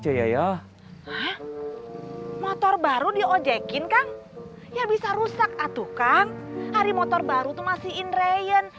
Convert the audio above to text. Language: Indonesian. hari motor baru tuh masih inrayen